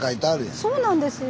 そうなんですよ。